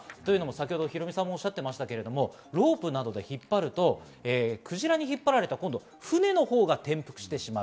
ヒロミさんもおっしゃっていましたが、ロープなどで引っ張るとクジラに引っ張られると船の方が転覆してしまう。